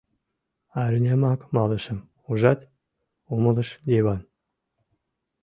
«Арнямак малышым, ужат? — умылыш Йыван.